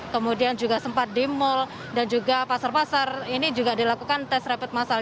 kemudian juga sempat di mal dan juga pasar pasar ini juga dilakukan tes rapid massal